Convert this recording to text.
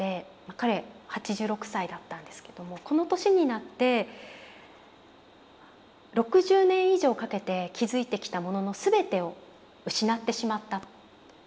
彼８６歳だったんですけども「この年になって６０年以上かけて築いてきたものの全てを失ってしまった」と。